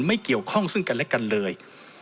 ไม่เกี่ยวข้องซึ่งกันและกันเลย